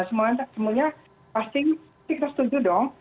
semuanya pasti kita setuju dong